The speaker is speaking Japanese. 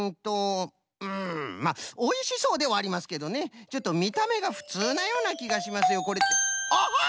んまあおいしそうではありますけどねちょっとみためがふつうなようなきがしますよこれって。あっ！？